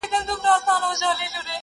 بې مېوې ونه څوک په ډبرو نه ولي.